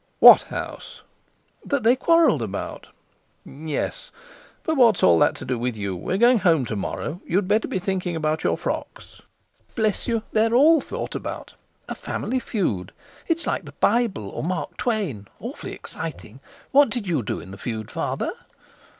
"What house?" "That they quarrelled about." "Yes. But what's all that to do with you? We're going home to morrow—you'd better be thinking about your frocks." "Bless you! They're all thought about. A family feud? It's like the Bible, or Mark Twain—awfully exciting. What did you do in the feud, Father?"